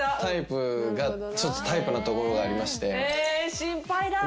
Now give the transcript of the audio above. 心配だ。